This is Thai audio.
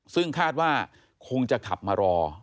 ซึ่งคาดว่าคงจะขับมารอ